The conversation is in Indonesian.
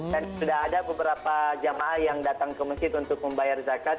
dan sudah ada beberapa jamaah yang datang ke masjid untuk membayar zakat